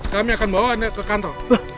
kami akan bawa anda ke kantor